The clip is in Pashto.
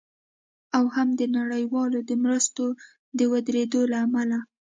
او هم د نړیوالو د مرستو د ودریدو له امله